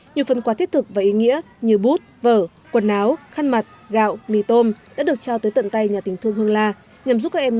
nhiều phần quà thiết thực và ý nghĩa như bút vở quần áo khăn mặt gạo mì tôm đã được trao tới tận tay nhà tỉnh thương hương la